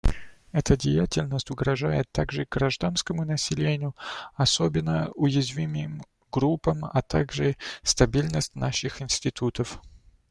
Эта деятельность угрожает также гражданскому населению, особенно уязвимым группам, а также стабильности наших институтов.